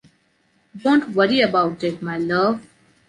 Don’t worry about it, my love.